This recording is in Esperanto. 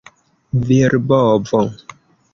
virbovo